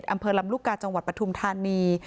อำเภอลำลูกกาจังหวัดปฐุมธานี